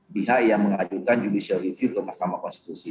pihak yang mengajukan judicial review ke mahkamah konstitusi